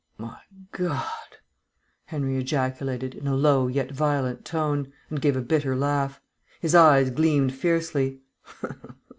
"My God," Henry ejaculated, in a low yet violent tone, and gave a bitter laugh. His eyes gleamed fiercely.